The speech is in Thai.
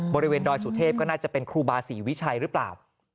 บริเวณดอยสุเทพก็น่าจะเป็นครูบาศรีวิชัยหรือเปล่า